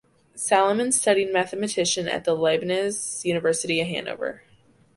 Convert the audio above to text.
Salamon studied mathematician at the Leibniz University Hannover.